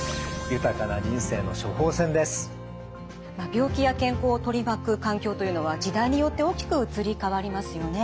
病気や健康を取り巻く環境というのは時代によって大きく移り変わりますよね。